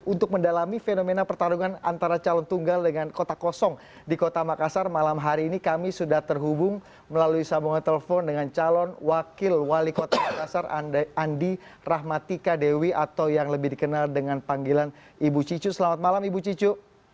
untuk mendalami fenomena pertarungan antara calon tunggal dengan kota kosong di kota makassar malam hari ini kami sudah terhubung melalui sambungan telepon dengan calon wakil wali kota makassar andi rahmatika dewi atau yang lebih dikenal dengan panggilan ibu cicu selamat malam ibu cicu